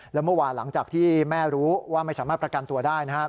แล้วเมื่อวานหลังจากที่แม่รู้ว่าไม่สามารถประกันตัวได้นะครับ